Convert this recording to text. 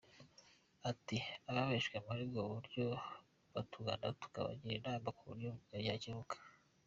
Ati “Ababeshywe muri ubwo buryo batugana tukabagira inama mu buryo cyakemukamo.